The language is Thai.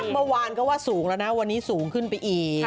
เมื่อวานก็ว่าสูงแล้วนะวันนี้สูงขึ้นไปอีก